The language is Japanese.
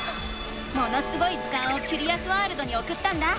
「ものすごい図鑑」をキュリアスワールドにおくったんだ。